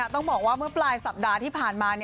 ต้องบอกว่าเมื่อปลายสัปดาห์ที่ผ่านมา